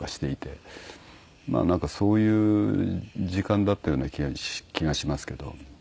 なんかそういう時間だったような気がしますけど。